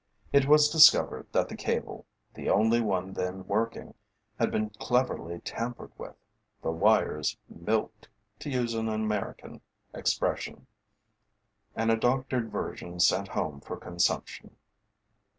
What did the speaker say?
It was discovered that the cable, the only one then working, had been cleverly tampered with, the wires milked, to use an American expression, and a doctored version sent home for consumption.